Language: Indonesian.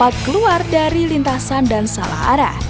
saat keluar dari lintasan dan salah arah